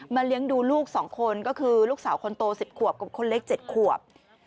เลี้ยงดูลูก๒คนก็คือลูกสาวคนโต๑๐ขวบกับคนเล็ก๗ขวบ